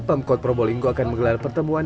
pemkot probolinggo akan menggelar pertemuan